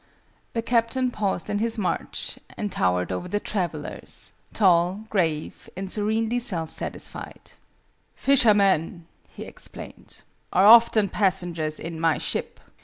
The Captain paused in his march, and towered over the travellers tall, grave, and serenely self satisfied. "Fishermen," he explained, "are often passengers in My ship.